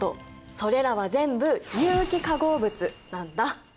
それらは全部有機化合物なんだ。